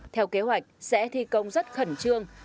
theo kế hoạch sẽ thi công rất khẩn trương